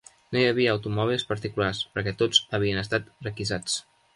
No hi havia automòbils particulars, perquè tots havien estat requisats